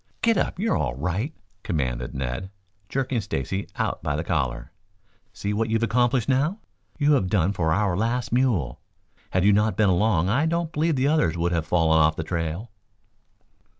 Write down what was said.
"Get up! You're all right," commanded Ned, jerking Stacy out by the collar. "See what you've accomplished now. You have done for our last mule. Had you not been along I don't believe the other one would have fallen off the trail."